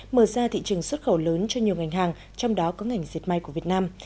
mở ra thị trường xuất khẩu lớn cho nhiều ngành hàng trong đó có ngành diệt may của việt nam